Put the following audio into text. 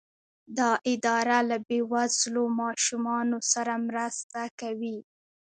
دا اداره له بې وزلو ماشومانو سره مرسته کوي.